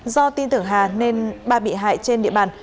do tin tưởng hà nên ba bị hại trên địa bàn